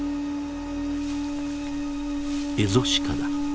エゾシカだ。